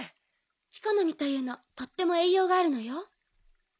チコの実というのとっても栄養があるのよ。